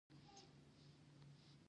• بښل ښه نیت ښيي.